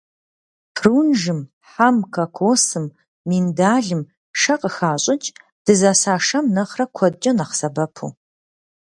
Прунжым, хьэм, кокосым, миндалым шэ къыхащӀыкӀ, дызэса шэм нэхърэ куэдкӀэ нэхъ сэбэпу.